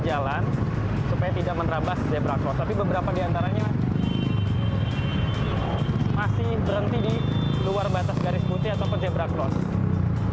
ini adalah batas warga jalan supaya tidak menerabas zebra cross tapi beberapa di antaranya masih berhenti di luar batas garis putih ataupun zebra cross